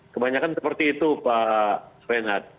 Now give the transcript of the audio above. kebanyakan seperti itu pak renat